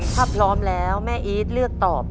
ถ้าพร้อมแล้วแม่อีทเลือกตอบ